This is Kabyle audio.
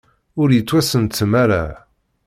Ur yettwasentem ara.